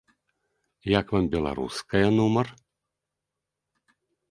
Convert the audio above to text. Як вам беларуская нумар?